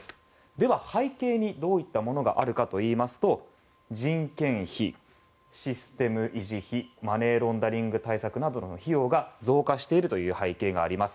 では、背景にどういったものがあるかというと人件費、システム維持費マネーロンダリング対策などの費用が増加しているという背景があります。